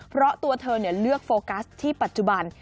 เพราะตัวเธอเลือกโฟกัสที่ปัจจุบัน